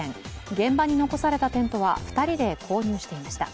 現場に残されたテントは２人で購入していました。